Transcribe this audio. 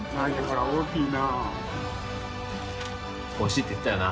大きいな欲しいって言ったよな